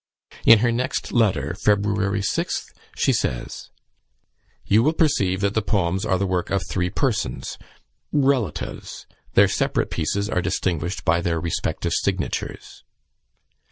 In her next letter, February 6th, she says: "You will perceive that the poems are the work of three persons, relatives their separate pieces are distinguished by their respective signatures."